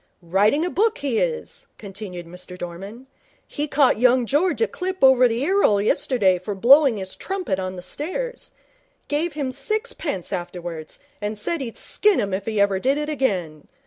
'Writing a book he is,' continued Mr Dorman. 'He caught young George a clip over the ear 'ole yesterday for blowing his trumpet on the stairs. Gave him sixpence afterwards, and said he'd skin him if he ever did it again.